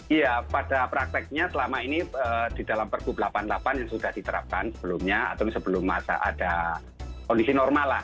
iya pada prakteknya selama ini di dalam pergub delapan puluh delapan yang sudah diterapkan sebelumnya atau sebelum masa ada kondisi normal lah